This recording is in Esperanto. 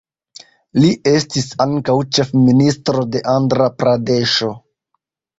Li estis ankaŭ ĉefministro de Andra-Pradeŝo.